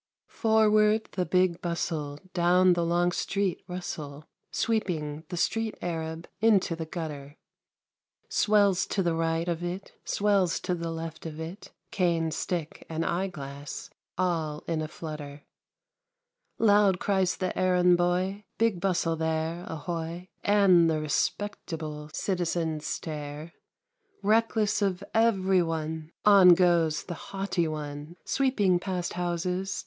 Forward the Big Bustle ! Down the long street rustle. Sweeping the street Arab Into the gutter ; Swells to the right of it, Swells to the left of it, Cane, stick, and eyeglass. All in a flutter 1 Loud cries the errand boy, " Big Bustle there, ahoy? " And the respectable Citizens stare — Reckless of every one. On goes the " haughty one,'' Sweeping past houses.